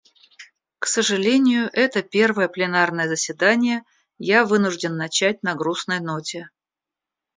К сожалению, это первое пленарное заседание я вынужден начать на грустной ноте.